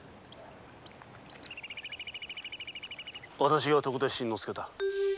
私が徳田新之助だ。